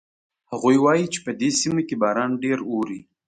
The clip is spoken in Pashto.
هغوی وایي چې په دې سیمه کې باران ډېر اوري